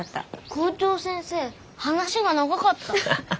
校長先生話が長かった。